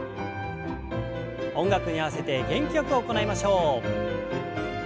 音楽に合わせて元気よく行いましょう。